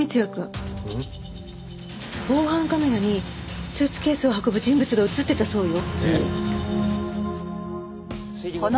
防犯カメラにスーツケースを運ぶ人物が映ってたそうよ。